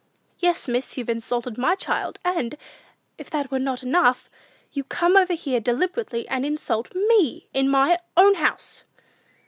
"Yes, miss, you've insulted my child, and, as if that were not enough, you come over here, deliberately, and insult me, in my own house!"